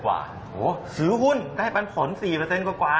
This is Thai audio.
หัวถือหุ้นได้ปันผล๔เปอร์เซ็นต์กว่า